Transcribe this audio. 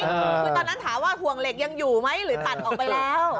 คือตอนนั้นถามว่าห่วงเหล็กยังอยู่ไหมหรือตัดออกไปแล้ว